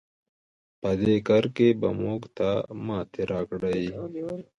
په دې کار کې به موږ ته ماتې راکړئ.